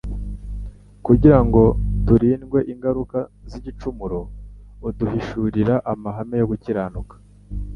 Kugira ngo turindwe ingaruka z'igicumuro, aduhishurira amahame yo gukiranuka.